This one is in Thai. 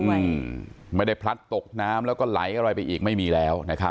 อืมไม่ได้พลัดตกน้ำแล้วก็ไหลอะไรไปอีกไม่มีแล้วนะครับ